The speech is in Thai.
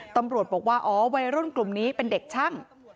ตำรวจบอกว่าอ๋อวัยรุ่นกลุ่มนี้เป็นเด็กช่าง